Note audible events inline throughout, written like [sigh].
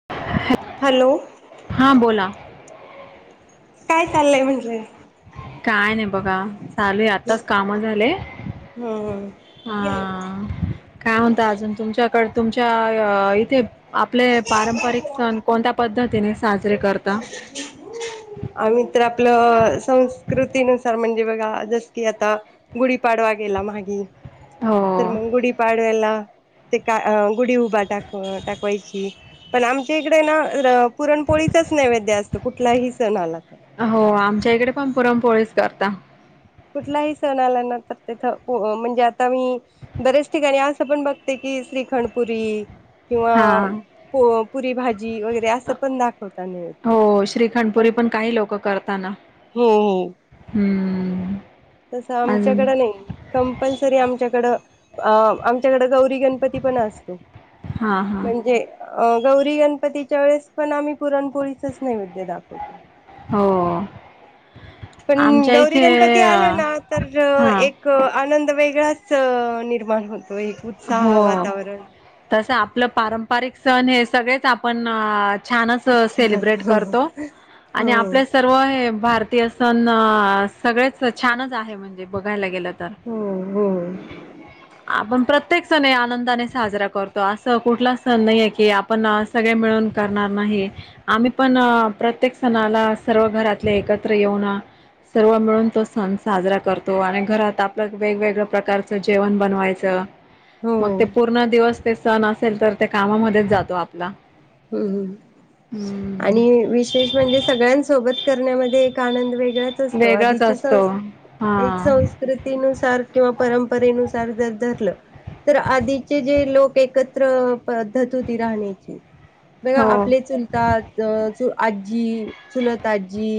[inaudible] Hello. हां बोला. काय चाललंय म्हटल? काय नाही बघा चालू आहे आताच काम झाले. हा हम्म काय म्हणता अजून तुमच्याकड तुमच्या अ इथे आपले पारंपरिक सण कोणत्या पद्धतीने साजरे करता? आम्ही ते आपलं संस्कृतीनुसार म्हणजे बघा जस की आता गुढीपाडवा गेला मागे हो तर मग गुढीपाडव्याला ते का गुढी उभा दाक दाखवायची पण आमच्या इकडे ना पुरणपोळीचाच नैवेद्य असतो कुठलाही सण आला तर. हो आमच्या इकडे पण पुरनपोळीच करता. कुठलाही सण आला ना तर तेथ म्हणजे आता मी बऱ्याच ठिकाणी असं पण बघते की श्रीखंडपुरी किंवा हा प पुरी भाजी वगैरे असं पण दाखवता नैवेद्य. हो श्रीखंडपुरी पण काही लोक क करताना. हो हो. हम्म. तसं अजून आमच्याकड नाही. कम्पल्सरी आमच्याकडं अ आमच्याकड गौरी गणपती पण अस हां हां म्हणजे अ गौरी गणपतीच्या वेळेस पण आम्ही पुरणपोळीचाच नैवेद्य दाखवतो. हो. पण आमच्या गौरी इथे गणपती अ, आले ना, तर हां एक क आनंद वेगळाच निर्माण होतोय. हो, तस आपलं पारंपारिक सण हे सगळेच आपण छानच उत्साहात सेलिब्रेट हो. करतो. आणि हो आपल्या स तो हे भारतीय सण सगळेच छानच आहे. म्हणजे बघायला गेलं तर. हो हो आपण प्रत त्येक सण हे आनंदाने साजरा करतो, असं कुठला सण नाहीये की आपण सगळे मिळून करणार नाही. आम्ही पण प्रत्येक सणाला सर्व घरातले एकत्र येऊन सर्व मिळून तो सण साजरा करतो. आणि घरात आपल्या वेगवेगळ्या प्रकारचं जेवण बनवायचं. हो मग ते पूर्ण दिवस ते सण असेल तर, ते कामामध्येच जातो आपला. हम्म हम्म हम्म. हम्म आणि विशेष म्हणजे सगळ्यां सोबत करण्यामध्ये एक आनंद वेगळा असतो. वेगळाच आधीचे सण असतो एक हा सन रीतीनुसार. किंवा परंपरेनुसार जर धरलं. तर आधीचे जे लोक एकत्र पद्धत होती राहण्याची. बघा हो आपले चुलता च आजी, चुलत आजी.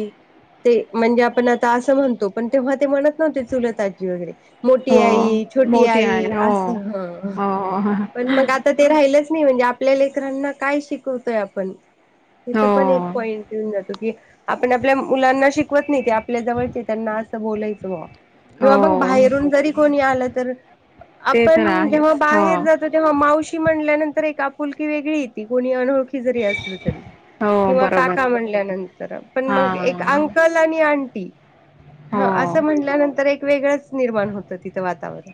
ते म्हणजे आपण आता असं म्हणतो. पण तेव्हा ते म्हणत नव्हते चुलत आजी वगैरे. मोठी हो आई, छोटी मोठी आई आहे हो असं. ह, हो पण मग आ ता ते राहिलंच नाही. म्हणजे आपल्या लेकरांना काय शिकवतोय आपण? इथं हो पण एक पॉइंट येऊन जातो. की आपण आपल्या मुलांना शिकवत नाही. ते आपल्या जवळचेय त्यांना असं बोलायचं बा. किंवा मग हो बाहेरून जरी कोणी आलं तर, ते तर आपण जेव्हा आहेच हो बाहेर जा तोस ना तेव्हा मावशी म्हणल्यानंतर एक आपुलकी वेगळी येती. कोणी अनओ ळखी जरी असल तरी. हो किंव्हा बरोबर काका म्हटल्या नंतर पण हा मग एक आंग अंकल आणि आंटी. ह हो असं म्हटल्यानंतर एक वेगळंच निर्माण होतं तिथं वातावरण.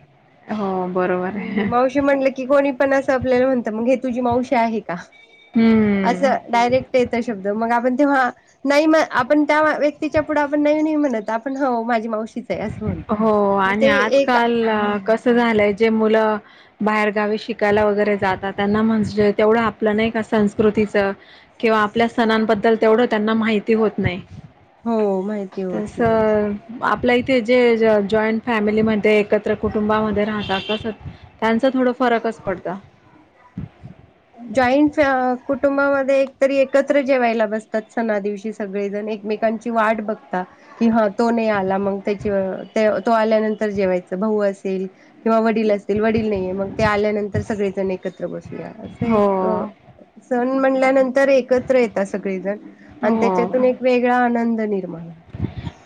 हो बरोबरे. म्हंनलं की कोणी पण असं आपल्या म्हणत. मग हे तुझी मावशी आहे का? हम. असं डायरेक्ट येत शब्द. मग आपण तेव्हा नाही म आपण त्या व्यक्तीच्या पुढे आपण नाही नाही म्हणत. आपण हो माझी मावशीच आहे असं म्हणतो. हो मग आणि ते एक आजकाल कसं झालंय? जे मुलं बाहेरगावी शिकायला वगैरे जातात. त्यांना म्हणजे तेवढं आपलं नाही का संस्कृतीचं. किंवा आपल्या सणांबद्दल तेवढं त्यांना माहिती होत नाही. हो माहिती होत तस नाही. आपल्या इ थे जे ज जॉईंट फॅमिलीमध्ये. एकत्र कुटुंबामध्ये राहतात तसंच. त्यांचा थोडा फरकच पडता जॉईंट कुटुंबामध्ये एकतरी एकत्र जेवायला बसतात सणा दिवशी सगळेजण एकमेकांची वाट बघतात. कि हा तो नाही आला मग त्याची तो आल्यानंतर जेवायच भाऊ असेल किंवा वडील असतील वडील नाहीये मग ते आल्यानंतर सगळेजण एकत्र बसूया नाही एक हो सण म्हणल्यानंतर एकत्र येतात सगळीजण आणि त्याच्यातून हो एक वेगळा आनंद निर्माण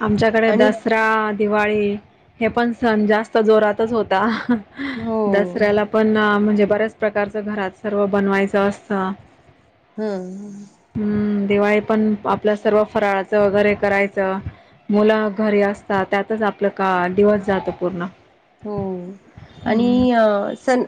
आमच्याकडे आणि दसरा दिवाळी हे पण सण जास्त जोरातच होता हो दसऱ्याला पण म्हणजे बऱ्याच प्रकारच घरात सर्व बनवायच असत हम्म हम्म दिवाळी पण आपल सर्व फराळाच वगैरे करायच मुल घरी असतात त्यातच आपल का दिवस जातो पूर्ण हो आणि हम्म. अ सन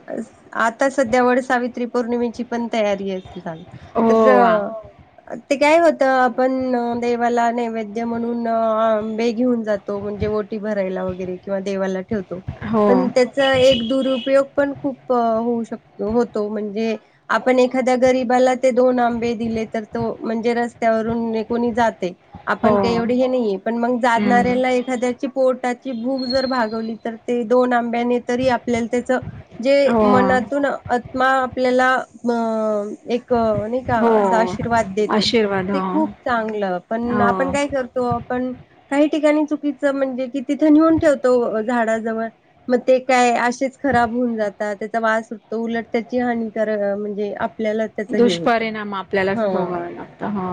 आता सध्या वड सावित्री पौर्णिमेची पण तयारी ये आता हो आ. तर ते काय होत आपण देवाला नैवेद्य म्हणून आंबे घेऊन जातो तो म्हणजे ओटी भरायला वगैरे किंवा देवाला ठेवतो हो पण त्या त्याचा एक दुरुपयोग पण खूप होऊ शकतो होतो म्हणजे आपण एखाद्या गरीबाला ते दोन आंबे दिले तर तो म्हणजे रस्त्यावरून निघून जातो. हो आपण काही एवढे हे नाहीये पण मग हम्म. जाणाऱ्याला एखाद्याची पोटाची भूक जर भागवली तर ते दोन आंब्याने तरी आपल्याला त्याच जे हो मनातून आत्मा आपल्याला अ एक नाही का असा हो आशीर्वाद देतो आशीर्वाद ते हो खूप चांगल पण हो आपण काय करतो त आपण काही ठिकाणी चुकीच म्हणजे कि तिथ नेऊन ठेवतो झाडाजवळ मग ते काय असेच खराब होऊन जात त्याचा वास सुटतो उलट त्याची हानी कर म्हणजे आपल्यालाच दुष्परिणाम आपल्यालाच भोगावे लागत हा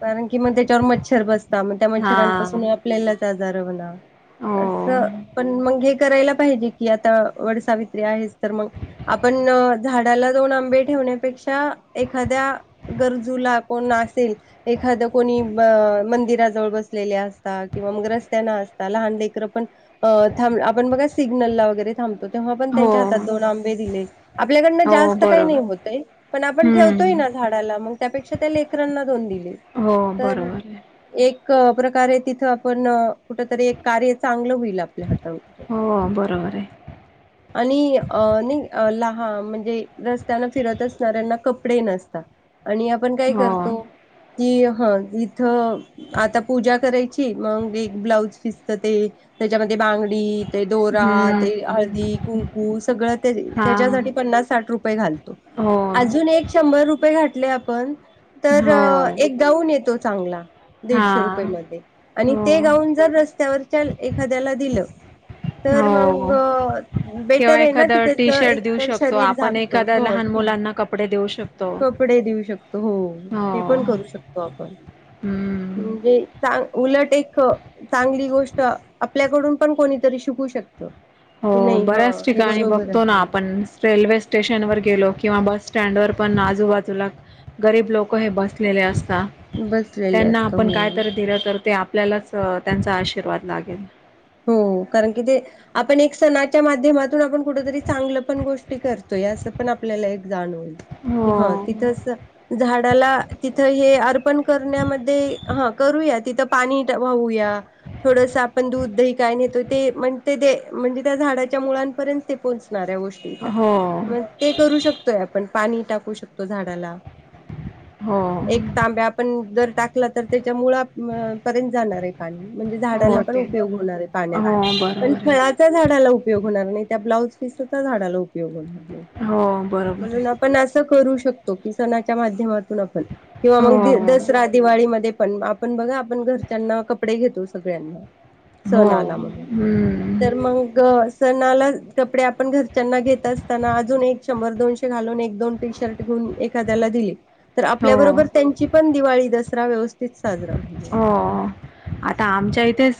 कारण की मग त्याच्यावर मच्छर बसता मग त्या मच्छरांपासून हां आपल्याला त्या जारवला हो अस पण मग हे करायला पाहिजे की आता वडसावित्री आहेस तर मग आपण झाडाला दोन आंबे ठेवण्यापेक्षा एखाद्या गरजूला कोण असेल एखाद्या कोणी मंदिराजवळ बसलेले असताात किंवा मग रस्त्यान असता लहान लेकर पण अ थांब आपण बघा सिग्नलला वगैरे थांबतो तेव्हा पण हो त्यांच्या हातात दोन आंबे दिले आपल्याकडन हो जास्त बरोबर काही नाही होतय पण आपण ठेवतोय हम्म ना झाडाला मग त्यापेक्षा त्या लेकरांना दोन दिले हो तर बरोबर आहे. एक प्रकारे तिथ आपण कुठतरी एक कार्य चांगल होईल आप आपल्या हाताने होते. हो बरोबर आहे आणि अ नाही लहान म्हणजे रस्त्याना फिरत असणाऱ्यांना कपडे नसतात. आणि आपण काय हो करतो कि ह इथ आता पूजा करायची मग एक ब्लाऊज पिसच ते त्याच्यामध्ये बांगडी ते दोरा ते हम्म हळदी कुंकू सगळ ते हा त्याच्यासाठी पन्नास साठ रुपये घालतो. हो. अजून एक शंभर रुपये घाटले आपण तर हो एक गाऊन येतो चांगला. हा दीडशे रुपये मध्ये आणि हो ते गाऊन जर रस्त्यावरच्या एखाद्याला दिल तर मग हो किंवा बेटर आहे ना की एखादं त्याच टी शर्ट एक देऊ तर शकतो शरीर आपण झाकतो एखाद्या हो लहान मुलांना कपडे देऊ शकतो कपडे देऊ शकतो हो हो हे पण करू शकतो आपण हम्म म्हणजे चा उलट एक चांगली गोष्ट आपल्याकडुन पण कोणीतरी शिकु शकत हो की नाही हा बऱ्याच हे ठिकाणी बरोबर बघतो ना आपण आहे रेल्वे स्टेशन वर गेलो किंवा बस स्टँड वर पण आजुबाजुला गरीब लोक हे बसलेले असतात बसलेले त्यांना असत आपण हो कायतरी दिल तर ते आपल्यालाच तर त्यांचा आशीर्वाद लागेल हो कारण की ते आपण एक सणाच्या माध्यमात तुन आपण कुठतरी चांगल पण गोष्टी करतोय अस पण आपल्याला एक जाणवल कि हो तिथ--च झाडाला तिथ हे अर्पण करण्यामध्ये ह करूया तिथ पाणी वाहुया थोडस आपण दूध दही काय नाही ते म्हणजे त्या झाडाच्या मुळानपर्यंत ते पोहोचणार गोष्टी हो मग ते करू शकतोय आपण पाणी टाकु शकतो झाडाला हो एक तांब्या आपण जर टाकला तर त्याच्या मुळात पर्यंत जाणारे पाणी म्हणजे झाडाला हो पण ते उपयोग होणार हे पाण्याचा हो पण बरोबर फळ आहे त्या झाडाला उपयोग होणार नाही त्या ब्लाउज पीस चा झाडाला उपयोग होणार हे हो बरोबर आहे. म्हणुन पण अस करू शकतो की सणाच्या माध्यमातुन आपण किंवा मग हो द दस दसरा दिवाळीमध्ये पण आपण बघा आपण घरच्यांना कपडे घेतो सगळ्यांना सण हो आला म्हणुन हम्म तर मग सणाला कपडे आपण घरच्यांना घेत असताना अजुन एक शंभर दोनशे ते घालुन एक दोन टी शर्ट घेऊन एखाद्याला दिले तर हो आपल्याबरोबर त्यांची पण दिवाळी दसरा व्यवस्थित साजरा होईल हं आता आमच्या इथेच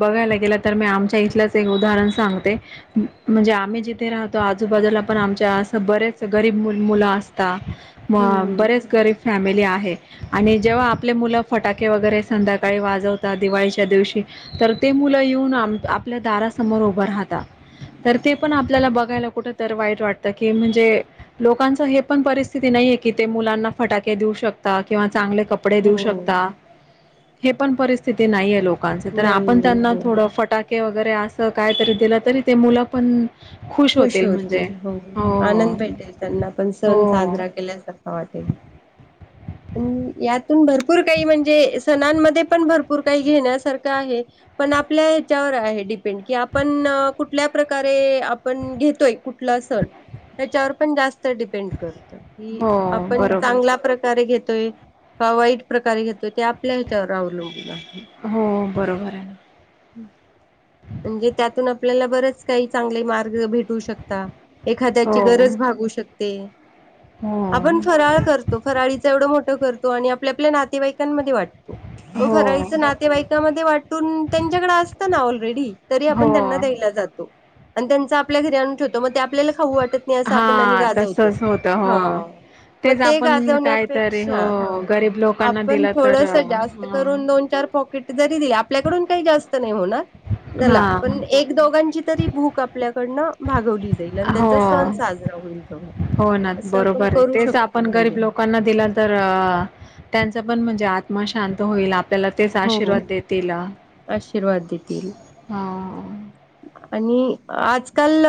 बघायला गेल तर मी आमच्या इथलच एक उदाहरण सांगते म्हणजे आम्ही जिथे राहतो आजुबाजुला पण आमच्या अस बरेच गरीब मुल असता अ हम्म बरेच गरीब फॅमिली आहे आणि जेव्हा आपले मुल फटाके के वगैरे संध्याकाळी वाजवतात दिवाळीच्या दिवशी तर ते मुल येऊन आपल्या दारासमोर उभ राहता तर ते पण आपल्याला बघायला कुठ तर वाईट वाटत की म्हणजे लोकांच हे पण परिस्थिती नाहीये की ते मुलांना फटाके देऊ शकता किंवा चांगले कप कपडे देऊ हो शकता हे पण परिस्थिती नाहीये लोकांच तर नाही आपण त्यांना थोड हो फटाक के वगैरे अस काय तरी दिल तरी ते मुल पण खुश होतील हो हो आनंद भेटेल त्यांना पण हो सण साजरा केल्याचा हो वाटेल यातुन भरपुर काही म्हणजे सणांमध्ये पण भरपूर काही घेण्यासारख आहे पण आपल्या ह्याच्यावर आहे डिपेंड की आपण कुठल्या प्रकारे आपण घेतोय कुठला सण त्याच्यावर पण जास्त डिपेंड करत की हो आपण बरोबर चांगल्या प्रकारे घेतोय का वाईट प्रकारे घेतोय ते आपल्या ह्याच्यावर अवलंबुन आहे हो बरोबर आहे हम्म म्हणजे त्यातून आपल्याला बरंच काही चांगले मार्ग भेट शकता एखाद्याची हो गरज भागू शकते. हो आपण फराळ करतो फराळीच एवढं मोठं करतो आणि आपल्या आपल्या नातेवाईकांमध्ये वाट मग हो फराळीच नातेवाईकामध्ये वाटून त्यांच्याकडे असत ना ऑलरेडी तरी हो आपण त्यांना द्यायला जातो आणि त्यांच आपल्या घरी आणून ठेवतो मग ते आपल्याला खाऊ वाट मेस आपण आणि हा गाजवतो तसच होत हा हो मग तेच ते आपण कायतरी गाजवण्यापेक्षा हो हं गरीब लोकांना आपण दिलं तर थोडस जास्त कडून दोन चार पॉकीट जरी दिले आपल्याकडून काही जास्त नाही होणार याला हा पण एक दोघांची तरी भूक आपल्याकडनं भागवली दिली जाईल आणि हा त्यांचा सण हो साजरा होईल हो ना अस आपण बरोबर आहे करू तेच आपण शकतो म्हणजे गरीब लोकांना दिला तर त्यांचा पण म्हणजे आत्मा शांत होईल आप त्याला तेच आशीर्वाद हो देतीला आशीर्वाद देतील हां... आणि आजकाल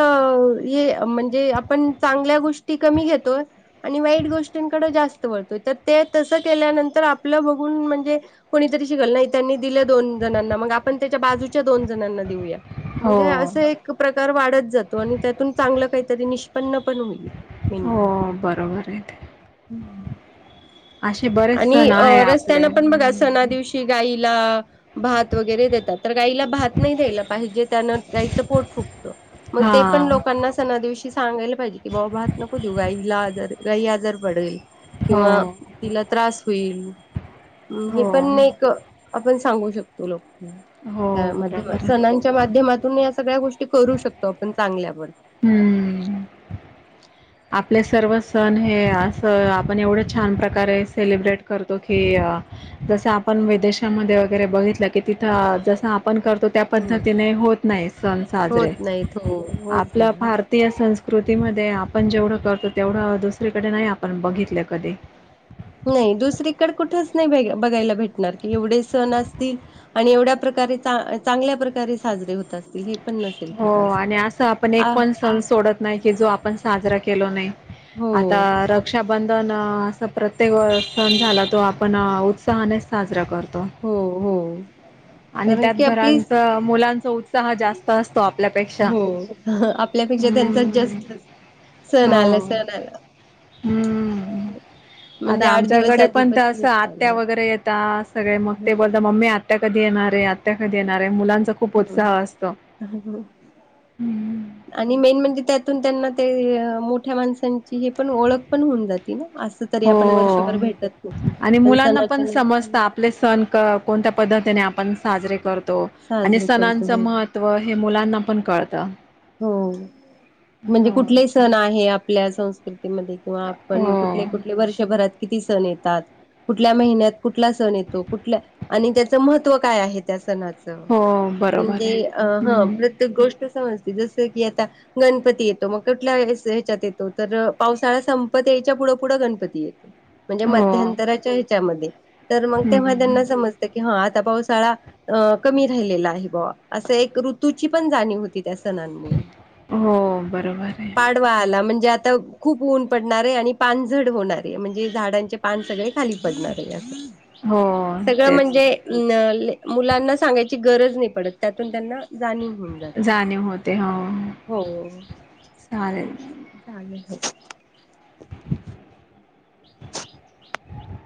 ये म्हणजे आपण चांगल्या गोष्टी कमी घेतोय. आणि वाईट गोष्टींकड जास्त वळतोय तर ते तसं केल्यानंतर आपलं बघून म्हणजे कोणीतरी शिकाल नाही त्यांनी दिल्या दोन जणांना मग आपण त्याच्या बाजूच्या दोन जणांना देऊया मग हे हो असं प्रकार वाढत जातो आणि त्यातून चांगलं काहीतरी निष्पन्न पण होईल. मेन हो म्हणजे बरोबर आहे ते आशे बरेचं आणि सण आहे आपले ह् ते गायीला भात वगैरे देतात तर गायीला भात नाही द्यायला पाहिजे. तर गाईच पोट फुकट मग ते पण हा नको त्यांना सनां दिवशी सांगायला पाहिजे की बॉ भात नको देवू गाईला आजर गाई आजरी पडेल हो किंवा तिला त्रास होईल हे हो पण एक आपण सांगू शक हो बरोबर आहे [unintelligible] माध्यमातून या सगळ्या गोष्टी करू शकतो आपण चांगल्या पण हम्म आपले सर्व सण हे असं आपण एवढं छान प्रकारे सेलिब्रेट करतो की अंं जस आपण विदेशामध्ये वगैरे बघितलं की तिथं जस आपण करतो त्या हम्म पद्धतीने होत नाही सण साजरे होत नाहीत हो होत आपल्या नाही. भार ते संस्कृतीमध्ये आपण जेवढं करतो तेवढं दुसरीकडे नाही आपण बघितलं कधी होय दुसरीकडे कुठंच नाही बघायला भेटणार की एवढे सण असतील. आणि एवढ्या प्रकारे चांगल्या प्रकारे साजरे होत असतील हे पण नसेल हो कुठं आणि असं आपण आ एक पण सण सोडत नाही की जो आपण साजरा केलो नाही हो आता र रक्षाबंधन असा प्रत्येक सण झाला तो आपण उत्साहाने साजरा कर तो हो हो आणि कारण त्यात की आपली घरांच मुलांच उ हो आपल्यापेक्षा त्यांचाच हम्म जास्त अस सन हो आला सन आला हम्म म्हणजे आता आठ दिवस आमच्याकडे पण तसं आधीपासूनच आत्या आलं. वगैरे येता सगळे मग ते बोलता हम्म मम्मी आ आत्या कधी येणार हे आत्या कधी येणारे हे मुलांचा खूप उत्साह असतो. आणि मेन म्हणजे त्यातून त्यांना ते मो मोठ्या माणसांची हे पण ओळख पण होऊन जाती ना आस तरी आपण हो वर्षभर भेटत नाही आणि पण मुलांना सणाच्या समजत नंतर आपले सण कं कोणत्या पद्धतीने आपण साजरे करतो, आणि साजरे करतो सणांचं हो मह त्व हे मुलांना पण कळतं. हो म्हणजे हो कुठलेही चालेल सण आहे आपल्या संस कृतीमध्ये, किंवा आपण हो कुठले, कुठले वर्षभरात किती सण येतात. कुठल्या महिन्यात कुठला सण येतो, कुठल्या आणि त्याचं महत्त्व काय आहे त्या सणा चं हो बरोबर म्हणजे आहे अ ह हम्म प्रत्येक गोष्ट समजते, जस की आता गणपती येतो, मग कठल्या ह्याच्यात येतो तर पावसाळा संपत यायच्या पुढं पुढं गणपती ये म्हणजे हो मध्यंतराच्या ह्यांच्यामध्ये, तर मग तेव्हा हम्म त्यांना सम त की हा आता पावसाळा अ कमी राहिलेला आहे बॉ, असं एक ऋतूची पण जाणीव होती. सना नं मुळे हो बरोबर आहे. पा तवाला म्हणजे आता खूप ऊन पडणार ये, आणि पानझड होणार हे म्हणजे झाडांचे पान सगळे खाली पडणार आहे, अस हो सगळं तेच म्हणजे. नं ले मुलांना सांगायची गरज नाही पडत, त्यातून त्यांना जाणीव हो जाणीव होते हो. हो चालेल. चालेल हो!